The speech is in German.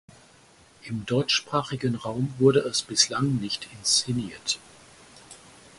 Im deutschsprachigen Raum wurde es bislang nicht inszeniert.